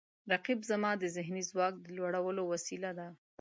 رقیب زما د ذهني ځواک د لوړولو وسیله ده